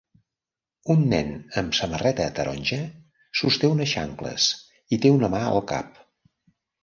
El nen amb samarreta taronja sosté unes xancles i té una mà al cap.